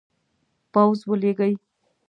پوځ ولیږي.